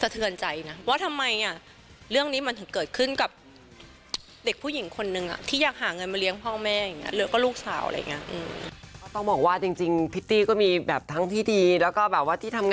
แต่ว่าอย่างคนที่เค้าทำ